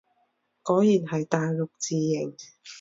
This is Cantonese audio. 果然係大陸字形